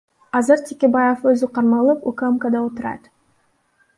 Азыр Текебаев өзү кармалып, УКМКда отурат.